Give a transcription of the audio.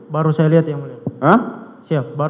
baru saya lihat yang mulia